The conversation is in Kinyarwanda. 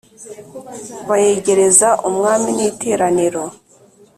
bayegereza umwami n’iteraniro